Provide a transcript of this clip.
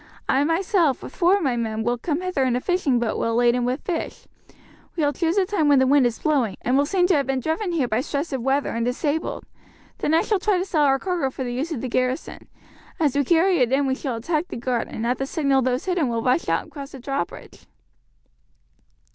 I, myself, with four of my men will come hither in a fishing boat well laden with fish; we will choose a time when the wind is blowing, and will seem to have been driven here by stress of weather and disabled. Then I shall try to sell our cargo for the use of the garrison. As we carry it in we shall attack the guard, and at the signal those hidden will rush out and cross the drawbridge."